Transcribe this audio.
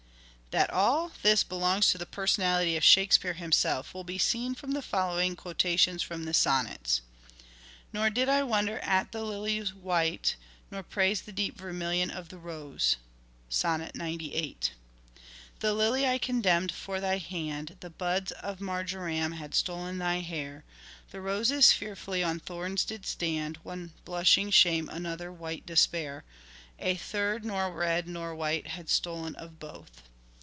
That all this belongs to the personality of " Shake speare " himself will be seen from the following quotations from the sonnets :— "Nor did I wonder at the lily's white, Shakespeare Nor praise the deep vermilion of the rose." on the lily (Sonnet 98.) and the rose. "The lily I condemned for thy hand, And buds of marjoram had stol'n thy hair. The roses fearfully on thorns did stand, One blushing shame, another white despair, A third, nor red nor white had stol'n of both."